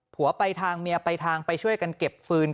ผัวไปทางเมียไปทางไปช่วยกันเก็บฟืน